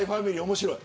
面白い。